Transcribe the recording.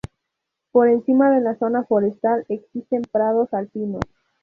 Por encima de la zona forestal existen prados alpinos.